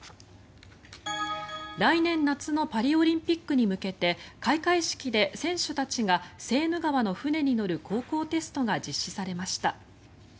来年夏のパリオリンピックに向けて開会式で選手たちがセーヌ川の船に乗る航行テストが実施されました。